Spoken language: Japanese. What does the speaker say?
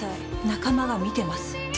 仲間が見てます